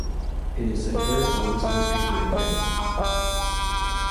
It is the third oldest newspaper in Finland.